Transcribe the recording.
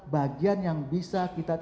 bagian yang bisa kita